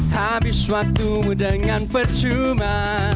habis waktumu dengan percuma